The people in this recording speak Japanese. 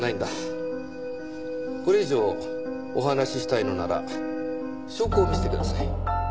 これ以上お話ししたいのなら証拠を見せてください。